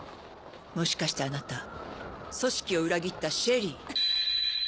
もしかしてあなた「組織」を裏切ったシェリー？